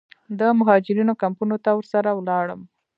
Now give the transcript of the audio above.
د مهاجرینو کمپونو ته ورسره ولاړم.